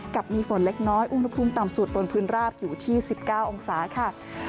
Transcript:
กับมีฝนเล็กน้อยอุณหภูมิต่ำสุดบนพื้นราบอยู่ที่๑๙องศาค่ะ